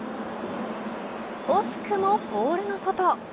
惜しくもポールの外。